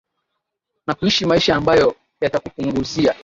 na kuishi maisha ambayo yatakupunguzia